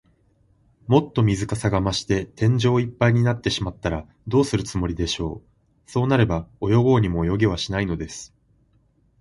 もっと水かさが増して、天井いっぱいになってしまったら、どうするつもりでしょう。そうなれば、泳ごうにも泳げはしないのです。